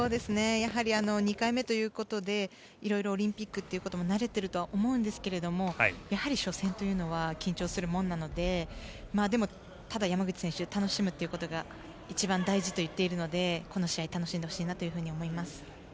やはり２回目ということで色々オリンピックということも慣れているとは思うんですがやはり初戦というのは緊張するものなのででも、ただ山口選手楽しむということが一番大事と言っているのでこの試合楽しんでほしいなと思います。